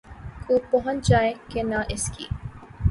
کو پہنچ جائے کہ نہ اس کی